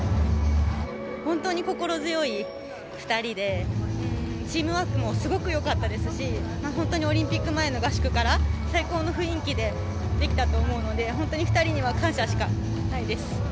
本当に心強い２人でチームワークもすごく良かったですし本当にオリンピック前の合宿から最高の雰囲気でできたと思うので本当に２人には感謝しかないです。